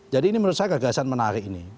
jadi ini menurut saya gagasan menarik ini